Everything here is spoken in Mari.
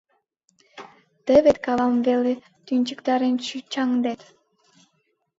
— Тый вет кавам веле тӱнчыктарен шӱчаҥдет.